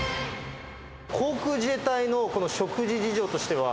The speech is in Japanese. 航空自衛隊の、この食事事情としては。